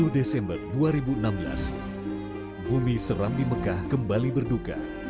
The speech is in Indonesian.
tujuh desember dua ribu enam belas bumi serambi mekah kembali berduka